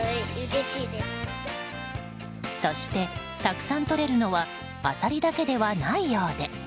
そして、たくさんとれるのはアサリだけではないようで。